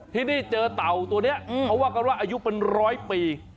ที่นี่เจอเต่าตัวนี้เขาว่ากันว่าอายุเป็นร้อยปี